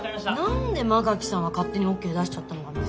何で馬垣さんは勝手にＯＫ出しちゃったのかな？